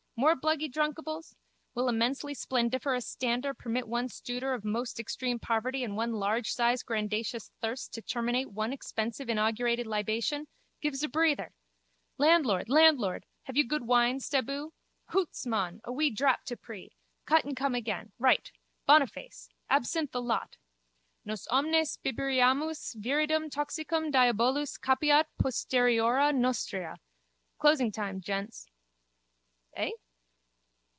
More bluggy drunkables? Will immensely splendiferous stander permit one stooder of most extreme poverty and one largesize grandacious thirst to terminate one expensive inaugurated libation? Give's a breather. Landlord, landlord, have you good wine, staboo? Hoots, mon, a wee drap to pree. Cut and come again. Right. Boniface! Absinthe the lot. Nos omnes biberimus viridum toxicum diabolus capiat posterioria nostria. Closingtime, gents. Eh?